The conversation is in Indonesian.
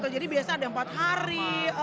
jadi biasa ada empat hari